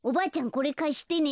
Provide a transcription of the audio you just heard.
これかしてね。